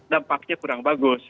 dampaknya kurang bagus